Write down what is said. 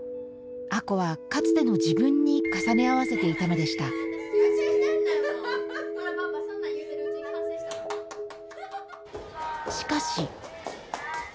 亜子はかつての自分に重ね合わせていたのでしたしかし。